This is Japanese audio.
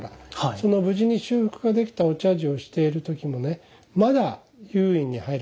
その無事に修復ができたお茶事をしている時もねまだ又隠に入る時私は圧を感じます。